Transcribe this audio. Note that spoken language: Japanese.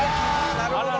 なるほど！